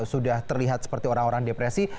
sudah terlihat seperti orang orang depresi